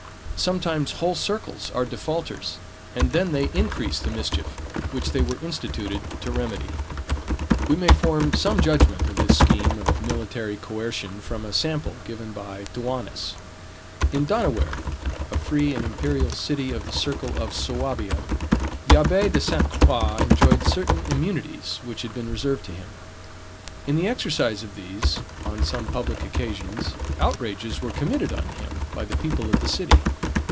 Sometimes whole circles are defaulters; and then they increase the mischief which they were instituted to remedy. We may form some judgment of this scheme of military coercion from a sample given by Thuanus. In Donawerth, a free and imperial city of the circle of Suabia, the Abbe de St. Croix enjoyed certain immunities which had been reserved to him. In the exercise of these, on some public occasions, outrages were committed on him by the people of the city.